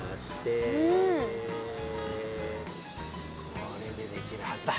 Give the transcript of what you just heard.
これでできるはずだ。